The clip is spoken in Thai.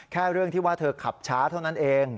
เรื่องที่ว่าเธอขับช้าเท่านั้นเอง